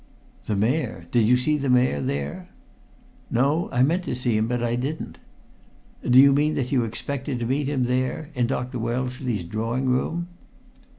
"The Mayor! Did you see the Mayor there?" "No. I meant to see him, but I didn't." "Do you mean that you expected to meet him there in Dr. Wellesley's drawing room?"